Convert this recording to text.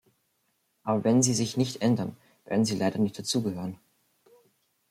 Aber wenn sie sich nicht ändern, werden sie leider nicht dazugehören.